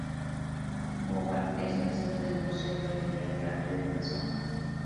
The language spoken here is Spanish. Hobart es la sede del Museo y Galería de Arte de Tasmania.